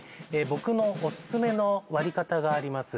僕のオススメの割り方があります